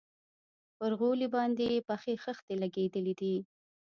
پر غولي باندې يې پخې خښتې لگېدلي دي.